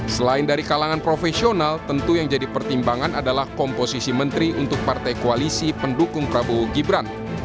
selain dari kalangan profesional tentu yang jadi pertimbangan adalah komposisi menteri untuk partai koalisi pendukung prabowo gibran